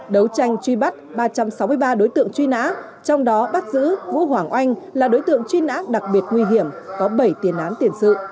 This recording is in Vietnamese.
đấu tranh truy bắt ba trăm sáu mươi ba đối tượng truy nã trong đó bắt giữ vũ hoàng oanh là đối tượng truy nã đặc biệt nguy hiểm có bảy tiền án tiền sự